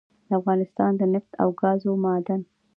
دافغانستان دنفت او ګازو معادن